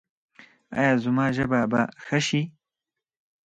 ایا زما ژبه به ښه شي؟